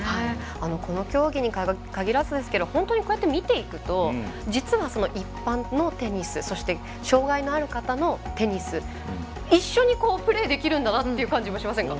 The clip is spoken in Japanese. この競技に限らずですがこうやって見ていくと実は一般のテニスそして、障がいのある方のテニス一緒にプレーできるんだなっていう感じもしませんか？